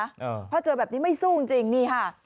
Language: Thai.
อ่าเพราะเจอแบบนี้ไม่สู้จริงนี่ค่ะ